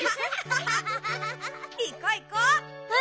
いこういこう！